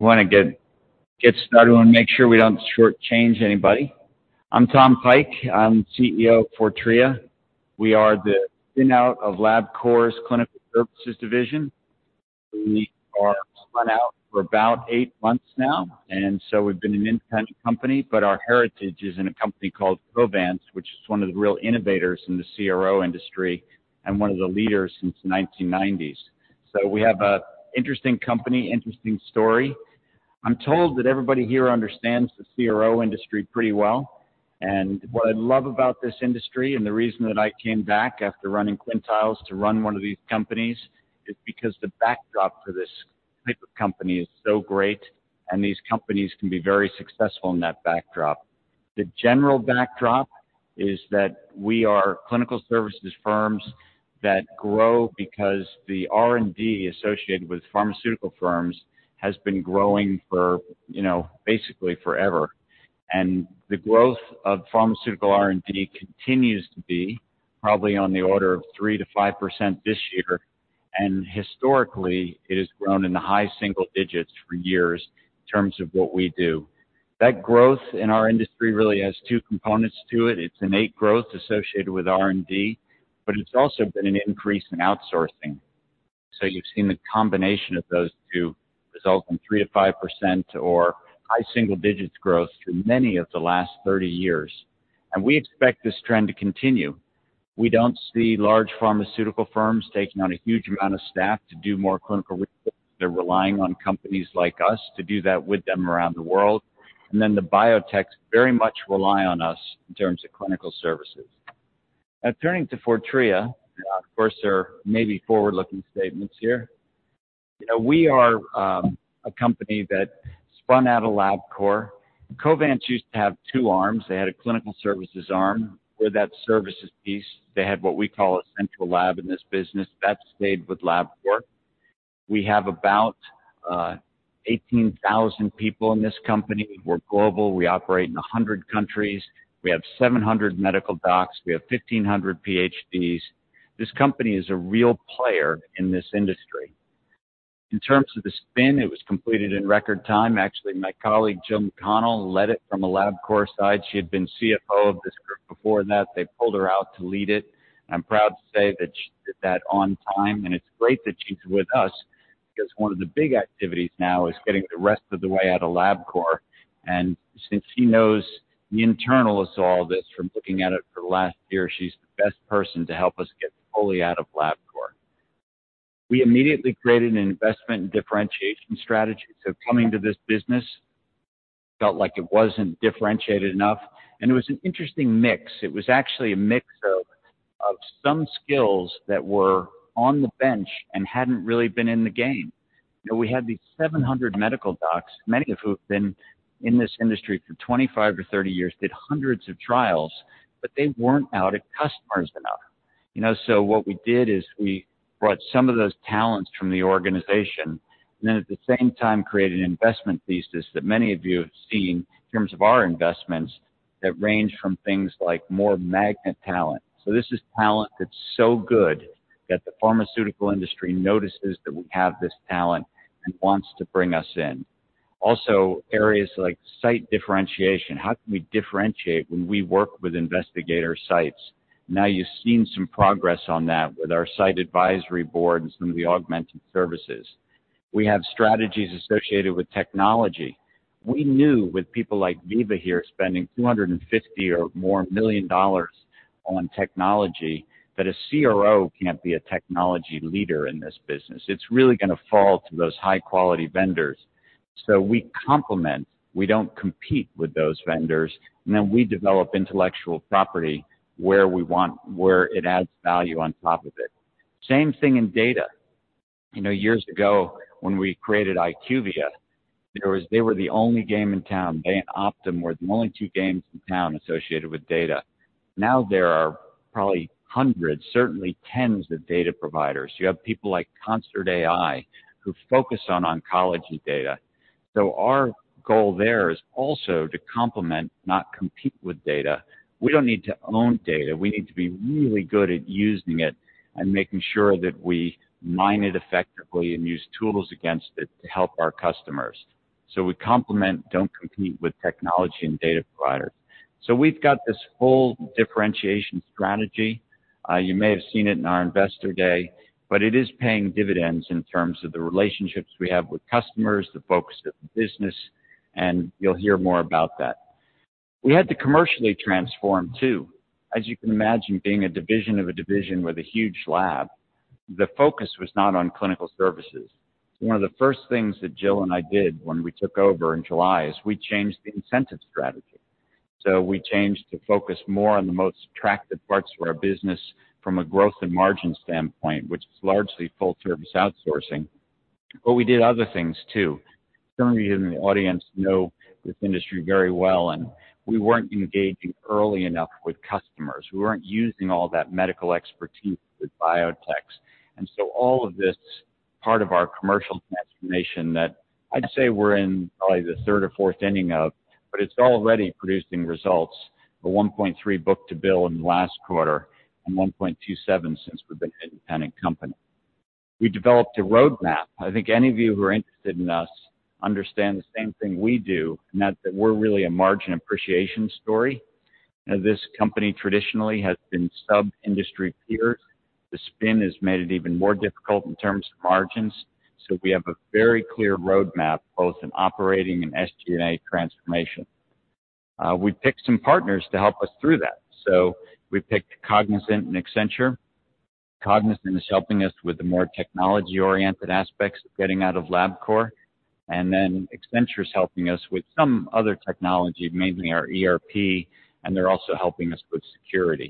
I want to get started and make sure we don't shortchange anybody. I'm Tom Pike. I'm CEO of Fortrea. We are the spin-out of Labcorp's Clinical Services division. We are spun out for about eight months now, and so we've been an independent company, but our heritage is in a company called Covance, which is one of the real innovators in the CRO industry and one of the leaders since the 1990s. So we have a interesting company, interesting story. I'm told that everybody here understands the CRO industry pretty well, and what I love about this industry, and the reason that I came back after running Quintiles to run one of these companies, is because the backdrop for this type of company is so great, and these companies can be very successful in that backdrop. The general backdrop is that we are clinical services firms that grow because the R&D associated with pharmaceutical firms has been growing for, you know, basically forever. And the growth of pharmaceutical R&D continues to be probably on the order of 3%-5% this year, and historically, it has grown in the high single digits for years in terms of what we do. That growth in our industry really has two components to it. It's innate growth associated with R&D, but it's also been an increase in outsourcing. So you've seen the combination of those two result in 3%-5% or high single digits growth through many of the last 30 years. And we expect this trend to continue. We don't see large pharmaceutical firms taking on a huge amount of staff to do more clinical research. They're relying on companies like us to do that with them around the world, and then the biotechs very much rely on us in terms of clinical services. Now turning to Fortrea, of course, there may be forward-looking statements here. You know, we are, a company that spun out of Labcorp. Covance used to have two arms. They had a clinical services arm. With that services piece, they had what we call a central lab in this business, that stayed with Labcorp. We have about, 18,000 people in this company. We're global. We operate in 100 countries. We have 700 medical docs. We have 1,500 PhDs. This company is a real player in this industry. In terms of the spin, it was completed in record time. Actually, my colleague, Jill McConnell, led it from a Labcorp side. She had been CFO of this group before that. They pulled her out to lead it. I'm proud to say that she did that on time, and it's great that she's with us, because one of the big activities now is getting the rest of the way out of Labcorp. And since she knows the internals of all this from looking at it for the last year, she's the best person to help us get fully out of Labcorp. We immediately created an investment and differentiation strategy. So coming to this business, felt like it wasn't differentiated enough, and it was an interesting mix. It was actually a mix of some skills that were on the bench and hadn't really been in the game. You know, we had these 700 medical docs, many of who have been in this industry for 25-30 years, did hundreds of trials, but they weren't out at customers enough. You know, so what we did is we brought some of those talents from the organization, and then at the same time created an investment thesis that many of you have seen in terms of our investments that range from things like more magnet talent. So this is talent that's so good that the pharmaceutical industry notices that we have this talent and wants to bring us in. Also, areas like site differentiation. How can we differentiate when we work with investigator sites? Now, you've seen some progress on that with our site advisory board and some of the augmented services. We have strategies associated with technology. We knew with people like Veeva here, spending $250 million or more on technology, that a CRO can't be a technology leader in this business. It's really going to fall to those high-quality vendors. So we complement. We don't compete with those vendors, and then we develop intellectual property where we want, where it adds value on top of it. Same thing in data. You know, years ago, when we created IQVIA, there was. They were the only game in town. They and Optum were the only two games in town associated with data. Now, there are probably hundreds, certainly tens of data providers. You have people like ConcertAI, who focus on oncology data. So our goal there is also to complement, not compete with data. We don't need to own data. We need to be really good at using it and making sure that we mine it effectively and use tools against it to help our customers. So we complement, don't compete with technology and data providers. So we've got this whole differentiation strategy. You may have seen it in our Investor Day, but it is paying dividends in terms of the relationships we have with customers, the focus of the business, and you'll hear more about that. We had to commercially transform, too. As you can imagine, being a division of a division with a huge lab, the focus was not on clinical services. One of the first things that Jill and I did when we took over in July is we changed the incentive strategy. So we changed to focus more on the most attractive parts of our business from a growth and margin standpoint, which is largely full service outsourcing. But we did other things, too. Some of you in the audience know this industry very well, and we weren't engaging early enough with customers. We weren't using all that medical expertise with biotechs. And so all of this part of our commercial transformation that I'd say we're in probably the third or fourth inning of, but it's already producing results. A 1.3 book to bill in the last quarter, and 1.27 since we've been an independent company. We developed a roadmap. I think any of you who are interested in us understand the same thing we do, and that's that we're really a margin appreciation story. Now, this company traditionally has been sub-industry peers. The spin has made it even more difficult in terms of margins, so we have a very clear roadmap, both in operating and SG&A transformation. We picked some partners to help us through that. So we picked Cognizant and Accenture. Cognizant is helping us with the more technology-oriented aspects of getting out of Labcorp, and then Accenture is helping us with some other technology, mainly our ERP, and they're also helping us with security.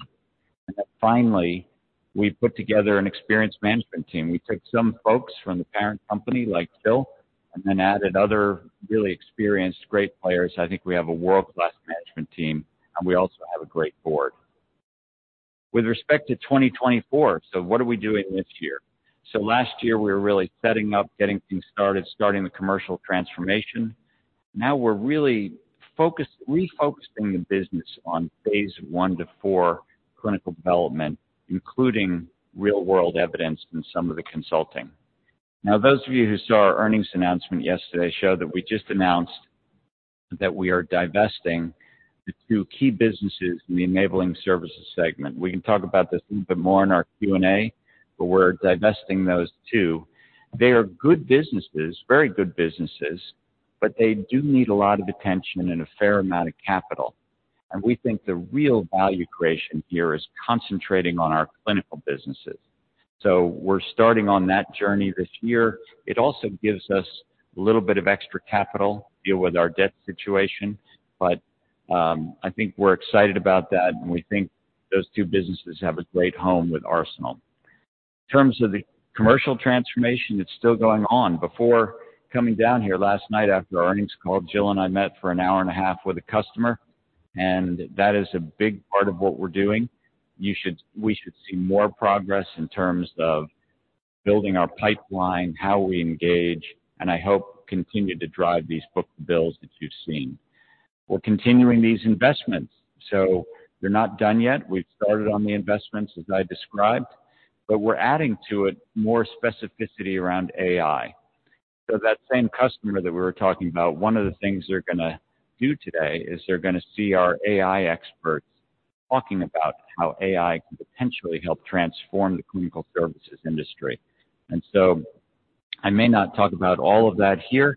And then finally, we put together an experienced management team. We took some folks from the parent company, like Jill, and then added other really experienced, great players. I think we have a world-class management team, and we also have a great board. With respect to 2024, so what are we doing this year? So last year, we were really setting up, getting things started, starting the commercial transformation. Now we're really focused, refocusing the business on phase 1-4 clinical development, including real-world evidence in some of the consulting. Now, those of you who saw our earnings announcement yesterday, show that we just announced that we are divesting the two key businesses in the Enabling Services segment. We can talk about this a little bit more in our Q&A, but we're divesting those two. They are good businesses, very good businesses, but they do need a lot of attention and a fair amount of capital. We think the real value creation here is concentrating on our clinical businesses. So we're starting on that journey this year. It also gives us a little bit of extra capital to deal with our debt situation, but, I think we're excited about that, and we think those two businesses have a great home with Arsenal. In terms of the commercial transformation, it's still going on. Before coming down here last night after our earnings call, Jill and I met for an hour and a half with a customer, and that is a big part of what we're doing. We should see more progress in terms of building our pipeline, how we engage, and I hope continue to drive these book to bills that you've seen. We're continuing these investments, so they're not done yet. We've started on the investments, as I described, but we're adding to it more specificity around AI. So that same customer that we were talking about, one of the things they're gonna do today is they're gonna see our AI experts talking about how AI can potentially help transform the clinical services industry. And so I may not talk about all of that here,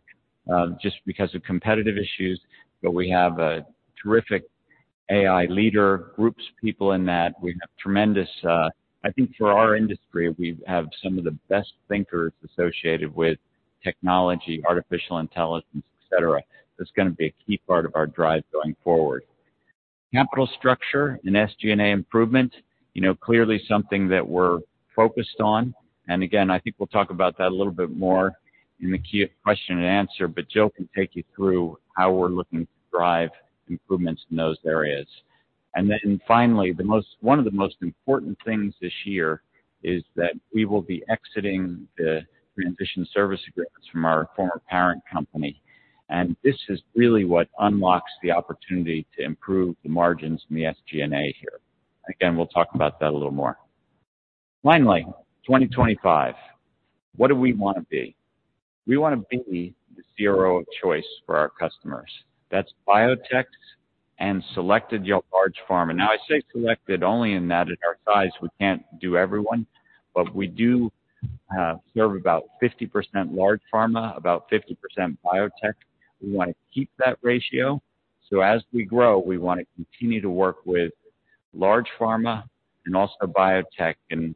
just because of competitive issues, but we have a terrific AI leader, groups of people in that. We have tremendous. I think for our industry, we have some of the best thinkers associated with technology, artificial intelligence, et cetera. That's gonna be a key part of our drive going forward. Capital structure and SG&A improvement, you know, clearly something that we're focused on. And again, I think we'll talk about that a little bit more in the Q question and answer, but Jill can take you through how we're looking to drive improvements in those areas. Then finally, one of the most important things this year is that we will be exiting the transition service agreements from our former parent company, and this is really what unlocks the opportunity to improve the margins in the SG&A here. Again, we'll talk about that a little more. Finally, 2025. What do we wanna be? We wanna be the CRO of choice for our customers. That's biotechs and selected large pharma. Now, I say selected only in that at our size, we can't do everyone, but we do serve about 50% large pharma, about 50% biotech. We wanna keep that ratio. So as we grow, we wanna continue to work with large pharma and also biotech, and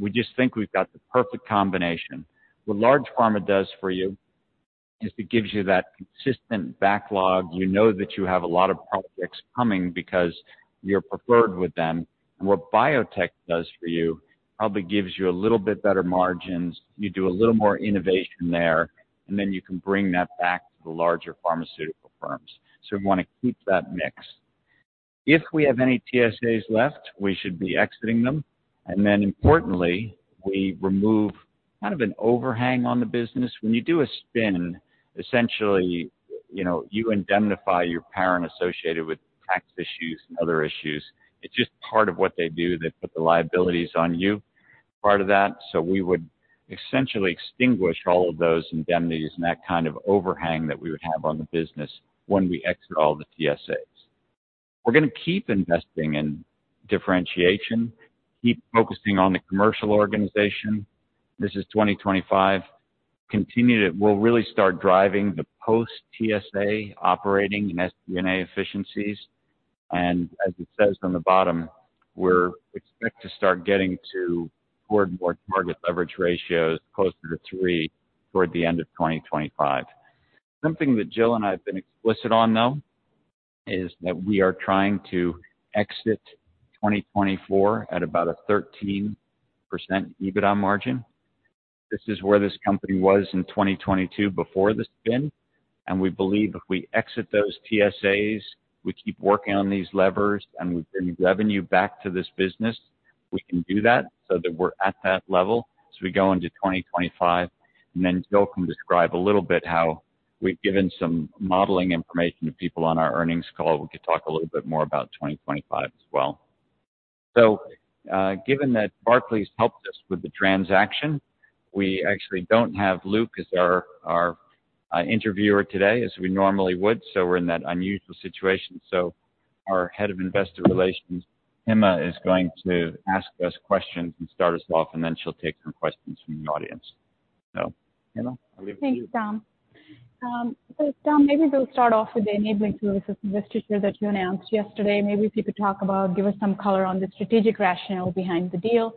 we just think we've got the perfect combination. What large pharma does for you is it gives you that consistent backlog. You know that you have a lot of projects coming because you're preferred with them. And what biotech does for you, probably gives you a little bit better margins. You do a little more innovation there, and then you can bring that back to the larger pharmaceutical firms. So we wanna keep that mix. If we have any TSAs left, we should be exiting them, and then importantly, we remove kind of an overhang on the business. When you do a spin, essentially, you know, you indemnify your parent associated with tax issues and other issues. It's just part of what they do. They put the liabilities on you, part of that. So we would essentially extinguish all of those indemnities and that kind of overhang that we would have on the business when we exit all the TSAs. We're gonna keep investing in differentiation, keep focusing on the commercial organization. This is 2025, we'll really start driving the post TSA operating and SG&A efficiencies. And as it says on the bottom, we expect to start getting to more and more target leverage ratios closer to 3 toward the end of 2025. Something that Jill and I have been explicit on, though, is that we are trying to exit 2024 at about a 13% EBITDA margin. This is where this company was in 2022 before the spin, and we believe if we exit those TSAs, we keep working on these levers, and we bring revenue back to this business, we can do that so that we're at that level as we go into 2025. And then Jill can describe a little bit how we've given some modeling information to people on our earnings call. We could talk a little bit more about 2025 as well. So, given that Barclays helped us with the transaction, we actually don't have Luke as our interviewer today as we normally would, so we're in that unusual situation. So our Head of Investor Relations, Hema, is going to ask us questions and start us off, and then she'll take some questions from the audience. So Hema, I'll leave it to you. Thanks, Tom. So Tom, maybe we'll start off with the Enabling services distribution that you announced yesterday. Maybe if you could talk about, give us some color on the strategic rationale behind the deal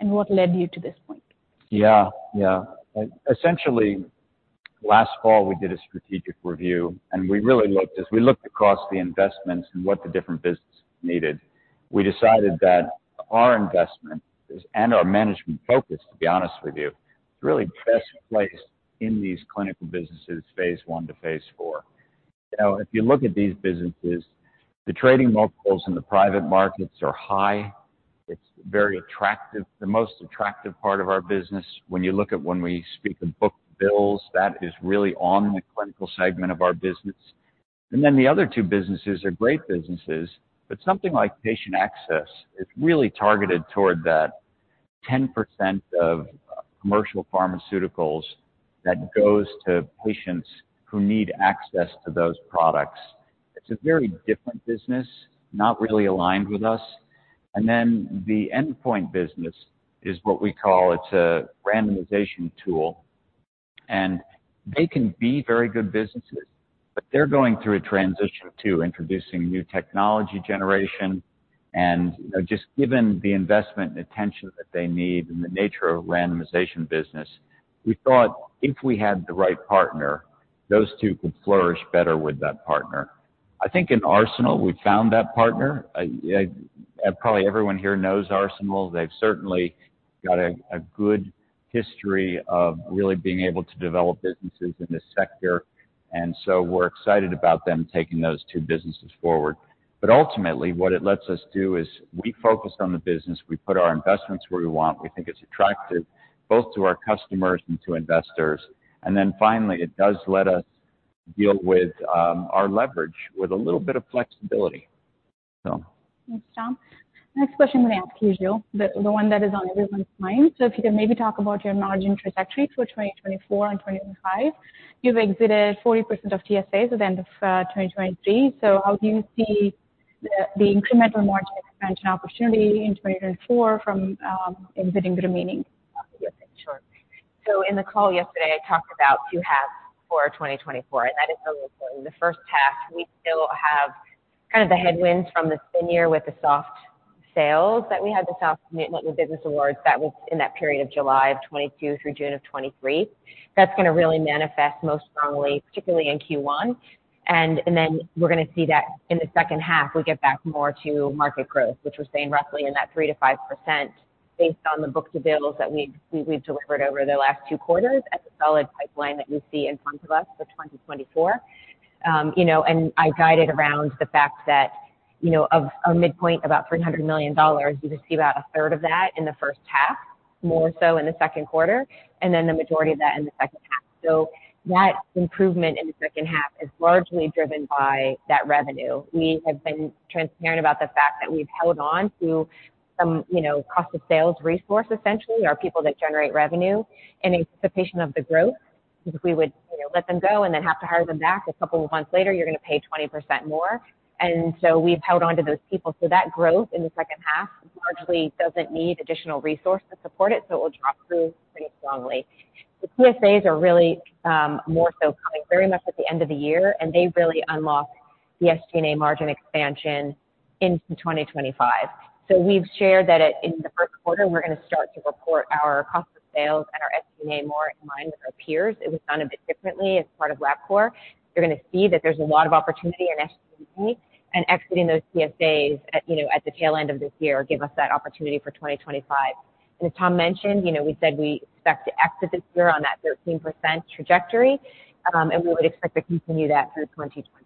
and what led you to this point. Yeah. Yeah. Essentially, last fall, we did a strategic review, and we really looked, as we looked across the investments and what the different businesses needed, we decided that our investment and our management focus, to be honest with you, is really best placed in these clinical businesses, phase one to phase four. Now, if you look at these businesses, the trading multiples in the private markets are high. It's very attractive, the most attractive part of our business. When you look at when we speak of book bills, that is really on the clinical segment of our business. And then the other two businesses are great businesses, but something like patient access is really targeted toward that 10% of commercial pharmaceuticals that goes to patients who need access to those products. It's a very different business, not really aligned with us. And then the Endpoint business is what we call; it's a randomization tool, and they can be very good businesses, but they're going through a transition, too, introducing new technology generation and, you know, just given the investment and attention that they need and the nature of randomization business, we thought if we had the right partner, those two could flourish better with that partner. I think in Arsenal, we found that partner. Yeah, probably everyone here knows Arsenal. They've certainly got a good history of really being able to develop businesses in this sector, and so we're excited about them taking those two businesses forward. But ultimately, what it lets us do is we focus on the business, we put our investments where we want. We think it's attractive, both to our customers and to investors. And then finally, it does let us deal with our leverage with a little bit of flexibility. So. Thanks, Tom. Next question I'm going to ask you, the one that is on everyone's mind. So if you can maybe talk about your margin trajectory for 2024 and 2025. You've exited 40% of TSAs at the end of 2023. So how do you see the incremental margin expansion opportunity in 2024 from exiting the remaining? Sure. So in the call yesterday, I talked about two halves for 2024, and that is still the same. The first half, we still have kind of the headwinds from the spin year with the soft sales that we had, the soft commitment with business awards. That was in that period of July of 2022 through June of 2023. That's going to really manifest most strongly, particularly in Q1. And then we're going to see that in the second half, we get back more to market growth, which we're saying roughly in that 3%-5%, based on the book to bill that we've delivered over the last two quarters and the solid pipeline that we see in front of us for 2024. You know, and I guided around the fact that, you know, of a midpoint, about $300 million, you just see about a third of that in the first half, more so in the second quarter, and then the majority of that in the second half. So that improvement in the second half is largely driven by that revenue. We have been transparent about the fact that we've held on to some, you know, cost of sales resource, essentially, or people that generate revenue in anticipation of the growth. Because if we would, you know, let them go and then have to hire them back a couple of months later, you're going to pay 20% more. And so we've held on to those people. So that growth in the second half largely doesn't need additional resource to support it, so it will drop through pretty strongly. The TSAs are really more so coming very much at the end of the year, and they really unlock the SG&A margin expansion into 2025. So we've shared that in the first quarter, we're going to start to report our cost of sales and our SG&A more in line with our peers. It was done a bit differently as part of Labcorp. You're going to see that there's a lot of opportunity in SG&A, and exiting those TSAs at, you know, at the tail end of this year, give us that opportunity for 2025. And as Tom mentioned, you know, we said we expect to exit this year on that 13% trajectory, and we would expect to continue that through 2025.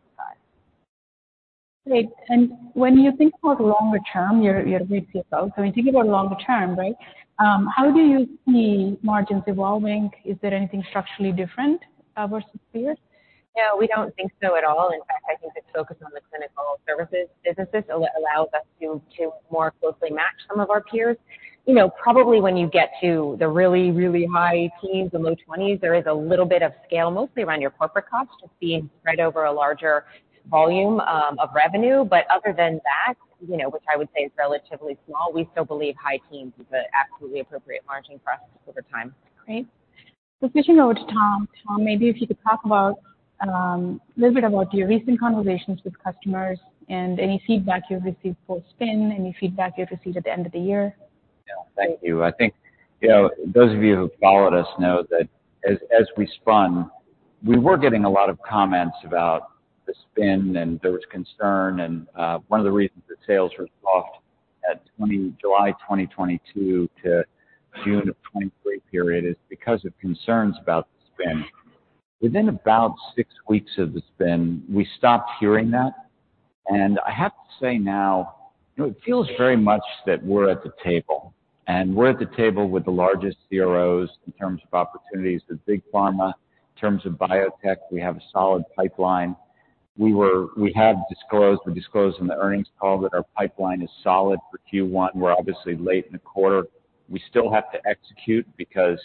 Great. And when you think about longer term, your CFO, so we think about longer term, right? How do you see margins evolving? Is there anything structurally different versus peers? No, we don't think so at all. In fact, I think the focus on the clinical services businesses allows us to more closely match some of our peers. You know, probably when you get to the really, really high teens and low twenties, there is a little bit of scale, mostly around your corporate costs, just being spread over a larger volume of revenue. But other than that, you know, which I would say is relatively small, we still believe high teens is an absolutely appropriate margin for us over time. Great. Switching over to Tom. Tom, maybe if you could talk about a little bit about your recent conversations with customers and any feedback you've received for spin, any feedback you've received at the end of the year. Yeah. Thank you. I think, you know, those of you who followed us know that as we spun, we were getting a lot of comments about the spin, and there was concern, and one of the reasons the sales were soft in the July 2022 to June 2023 period is because of concerns about the spin. Within about six weeks of the spin, we stopped hearing that. And I have to say now, you know, it feels very much that we're at the table, and we're at the table with the largest CROs in terms of opportunities with big pharma. In terms of biotech, we have a solid pipeline. We have disclosed, we disclosed in the earnings call that our pipeline is solid for Q1. We're obviously late in the quarter. We still have to execute because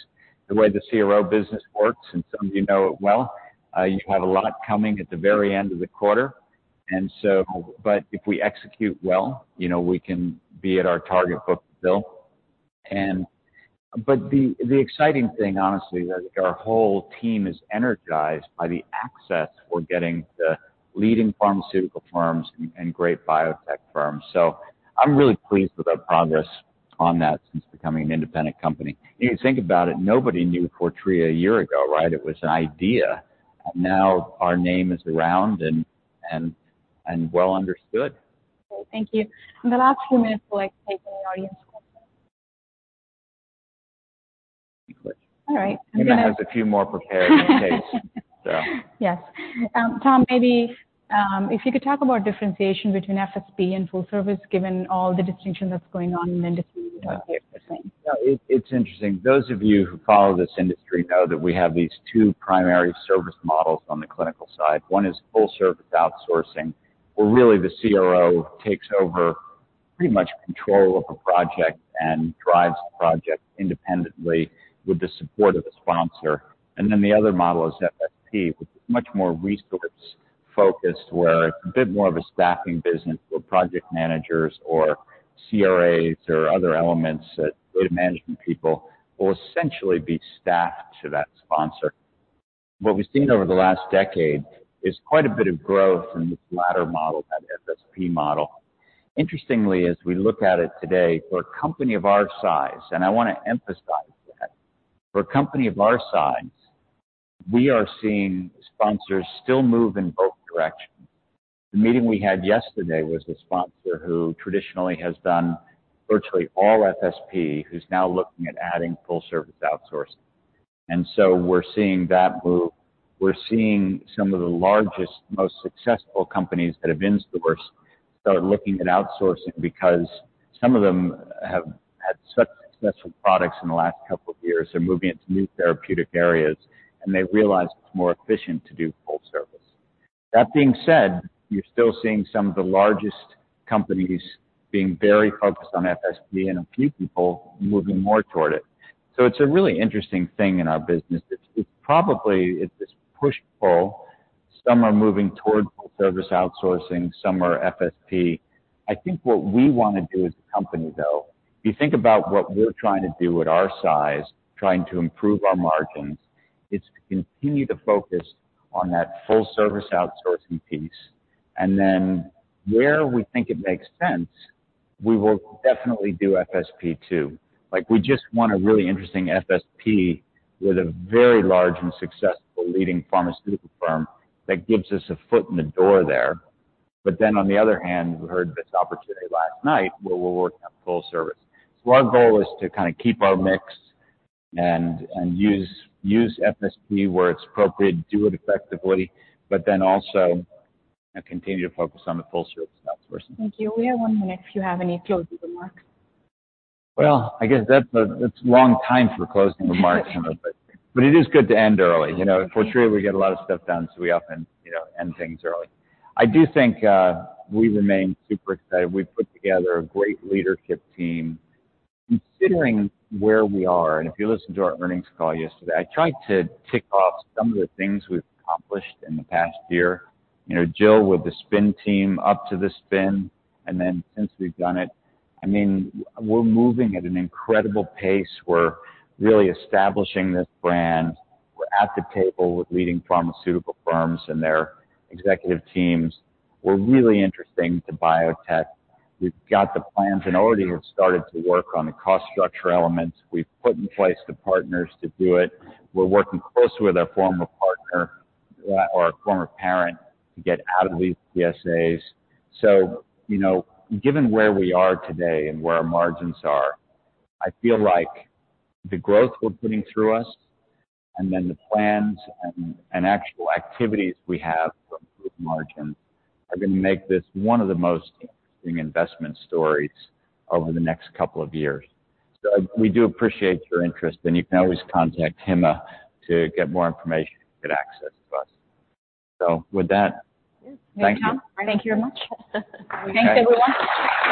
the way the CRO business works, and some of you know it well. You have a lot coming at the very end of the quarter. But if we execute well, you know, we can be at our target book-to-bill. But the exciting thing, honestly, is our whole team is energized by the access we're getting to leading pharmaceutical firms and great biotech firms. So I'm really pleased with our progress on that since becoming an independent company. If you think about it, nobody knew Fortrea a year ago, right? It was an idea, and now our name is around and well understood. Okay, thank you. The last few minutes we'll take any audience questions. All right. Hima has a few more prepared in case. Yes. Tom, maybe, if you could talk about differentiation between FSP and full service, given all the distinction that's going on in the industry today. Yeah, it's interesting. Those of you who follow this industry know that we have these two primary service models on the clinical side. One is full service outsourcing, where really the CRO takes over pretty much control of a project and drives the project independently with the support of the sponsor. And then the other model is FSP, which is much more resource-focused, where it's a bit more of a staffing business, where project managers or CRAs or other elements that data management people will essentially be staffed to that sponsor. What we've seen over the last decade is quite a bit of growth in this latter model, that FSP model. Interestingly, as we look at it today, for a company of our size, and I wanna emphasize that, for a company of our size, we are seeing sponsors still move in both directions. The meeting we had yesterday was a sponsor who traditionally has done virtually all FSP, who's now looking at adding full service outsourcing. And so we're seeing that move. We're seeing some of the largest, most successful companies that have been sourcing start looking at outsourcing because some of them have had such successful products in the last couple of years, they're moving into new therapeutic areas, and they realize it's more efficient to do full service. That being said, you're still seeing some of the largest companies being very focused on FSP and a few people moving more toward it. So it's a really interesting thing in our business. It's, it's probably, it's this push-pull. Some are moving towards full service outsourcing, some are FSP. I think what we wanna do as a company, though, if you think about what we're trying to do at our size, trying to improve our margins, it's to continue to focus on that full service outsourcing piece. And then where we think it makes sense, we will definitely do FSP, too. Like, we just want a really interesting FSP with a very large and successful leading pharmaceutical firm that gives us a foot in the door there. But then on the other hand, we heard this opportunity last night, where we're working on full service. So our goal is to kinda keep our mix and use FSP where it's appropriate, do it effectively, but then also continue to focus on the full service outsourcing. Thank you. We have one minute if you have any closing remarks. Well, I guess that's a, it's a long time for closing remarks, but it is good to end early. You know, at Fortrea, we get a lot of stuff done, so we often, you know, end things early. I do think, we remain super excited. We've put together a great leadership team. Considering where we are, and if you listened to our earnings call yesterday, I tried to tick off some of the things we've accomplished in the past year. You know, Jill, with the spin team, up to the spin, and then since we've done it, I mean, we're moving at an incredible pace. We're really establishing this brand. We're at the table with leading pharmaceutical firms and their executive teams. We're really interesting to biotech. We've got the plans and already have started to work on the cost structure elements. We've put in place the partners to do it. We're working closely with our former partner, or our former parent, to get out of these TSAs. So, you know, given where we are today and where our margins are, I feel like the growth we're putting through us and then the plans and actual activities we have for improved margins are gonna make this one of the most interesting investment stories over the next couple of years. So we do appreciate your interest, and you can always contact Hema to get more information to get access to us. So with that, thank you. Thank you very much. Thanks, everyone.